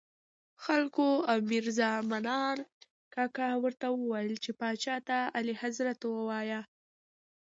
خلکو او میرزا منان کاکا ورته ویل چې پاچا ته اعلیحضرت ووایه.